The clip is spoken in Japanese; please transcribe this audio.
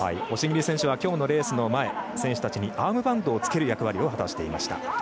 押切選手はきょうのレースの前に選手たちにアームバンドをつける役割を果たしていました。